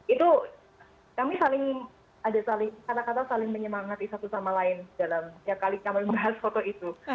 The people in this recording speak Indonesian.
itu kami saling ada saling kata kata saling menyemangati satu sama lain dalam setiap kali kami membahas foto itu